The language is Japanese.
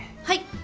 はい。